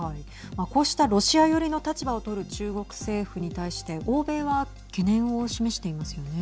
こうしたロシア寄りの立場をとる中国政府に対して欧米は懸念を示していますよね。